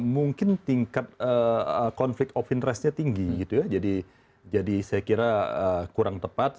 mungkin tingkat konflik of interestnya tinggi gitu ya jadi saya kira kurang tepat